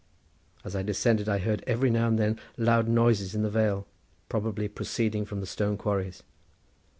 As I descended I heard every now and then loud noises in the vale probably proceeding from stone quarries.